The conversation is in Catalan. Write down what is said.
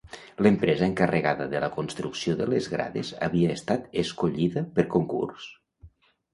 L'empresa encarregada de la construcció de les grades havia estat escollida per concurs?